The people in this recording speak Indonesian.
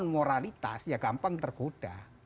moralitas ya gampang tergoda